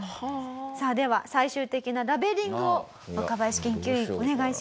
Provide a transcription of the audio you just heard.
さあでは最終的なラベリングを若林研究員お願いします。